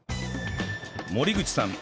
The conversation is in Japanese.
森口さん